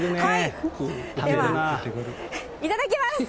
ではいただきます！